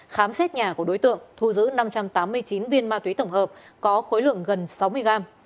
khám xét nhà của đối tượng thu giữ năm trăm tám mươi chín viên ma túy tổng hợp có khối lượng gần sáu mươi gram